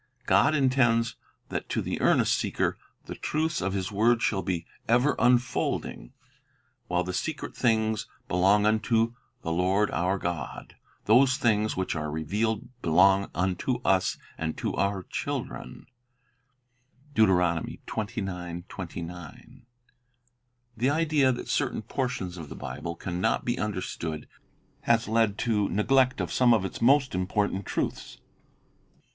God intends that to the earnest seeker the truths of 'Isa. 35:8. Mysteries of the Bible 171 His word shall be ever unfolding. While "the secret things belong unto the Lord our God," "those things which are revealed belong unto us and to our chil dren." 1 The idea that certain portions of the Bible can not be understood has led to neglect of some of its most important truths.